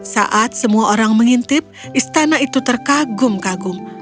saat semua orang mengintip istana itu terkagum kagum